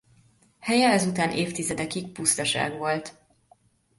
Helye ezután évtizedekig pusztaság volt.